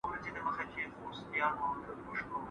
مونږ خو ناري وهو چي روڼ سحر دې